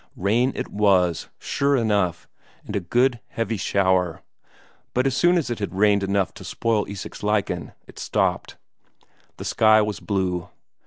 Rain it was, sure enough, and a good heavy shower but as soon as it had rained enough to spoil Isak's lichen, it stopped. The sky was blue.